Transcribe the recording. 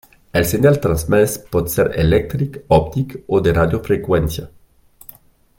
El senyal transmès pot ser elèctric, òptic o de radiofreqüència.